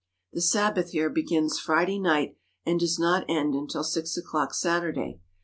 The Sabbath here begins Friday night and does not end until six o'clock Saturday.